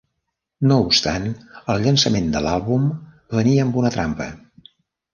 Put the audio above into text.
No obstant, el llançament de l'àlbum venia amb una trampa.